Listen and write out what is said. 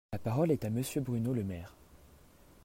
La parole est à Monsieur Bruno Le Maire.